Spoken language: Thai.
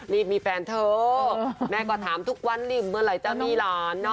มีแฟนเถอะแม่ก็ถามทุกวันรีบเมื่อไหร่จะมีหลาน